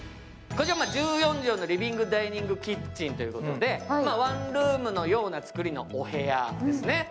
こちら１４畳のリビングダイニングキッチンということでワンルームのようなつくりのお部屋ですね。